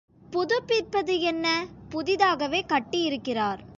புதுப்பிப்பது என்ன, புதிதாகவே கட்டியிருக்கிறார்.